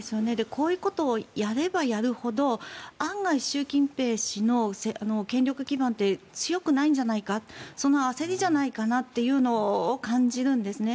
こういうことをやればやるほど案外、習近平氏の権力基盤って強くないんじゃないかその焦りじゃないかなというのを感じるんですね。